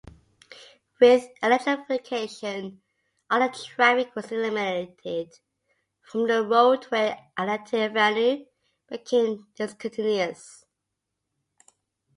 With electrification, other traffic was eliminated from the roadway and Atlantic Avenue became discontinuous.